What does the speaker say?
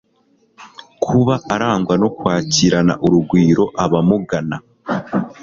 kuba arangwa no kwakirana urugwiro abamugana